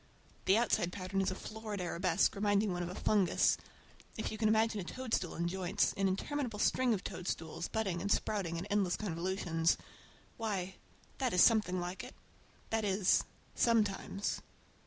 The outside pattern is a florid arabesque, reminding one of a fungus. If you can imagine a toadstool in joints, an interminable string of toadstools, budding and sprouting in endless convolutions,—why, that is something like it. That is, sometimes!